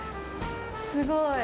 すごい。